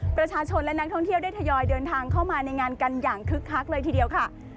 ประชาชนและนักท่องเที่ยวได้ทยอยเดินทางเข้ามาในงานกันอย่างคึกคักเลยทีเดียวค่ะ